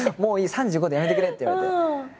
３５でやめてくれ」と言われて。